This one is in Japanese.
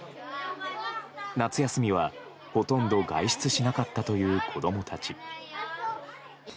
夏休みは、ほとんど外出しなかったという子供たち。